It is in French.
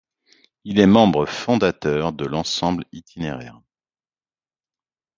Il est membre fondateur de l'ensemble Itinéraire.